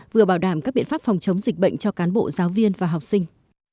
vừa bảo đảm các biện pháp phòng chống dịch bệnh cho cán bộ giáo viên và học sinh